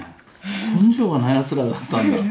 根性がないやつらだったんだ。